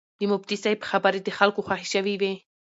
د مفتي صاحب خبرې د خلکو خوښې شوې وې.